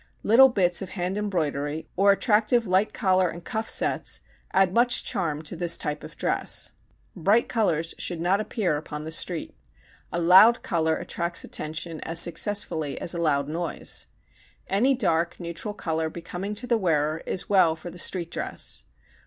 Little bits of hand embroidery or attractive light collar and cuff sets add much charm to this type of dress. Bright colors should not appear upon the street. A "loud" color attracts attention as successfully as a loud noise. Any dark neutral color becoming to the wearer is well for the street dress.